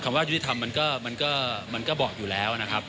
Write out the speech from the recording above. ว่ายุติธรรมมันก็บอกอยู่แล้วนะครับ